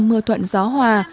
mưa thuận gió hòa